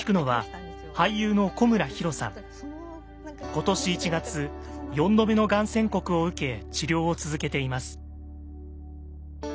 今年１月４度目のがん宣告を受け治療を続けています。